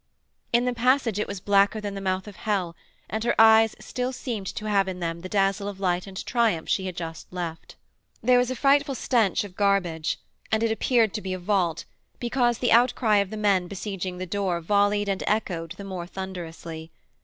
In the passage it was blacker than the mouth of hell, and her eyes still seemed to have in them the dazzle of light and triumph she had just left. There was a frightful stench of garbage; and it appeared to be a vault, because the outcry of the men besieging the door volleyed and echoed the more thunderously.